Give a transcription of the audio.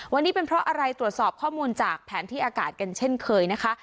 วันนี้เป็นเพราะอะไรตรวจสอบข้อมูลจากแผนที่อากาศกันเช่นเคยนะคะ